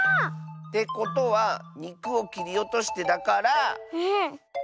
てことは「にくをきりおとして」だから。